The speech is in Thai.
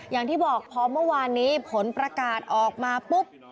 อย่างที่บอกพอเมื่อวานนี้ผลประกาศออกมาปุ๊บ